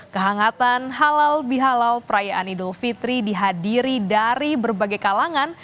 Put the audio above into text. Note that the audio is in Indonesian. kehangatan halal bihalal perayaan idul fitri dihadiri dari berbagai kalangan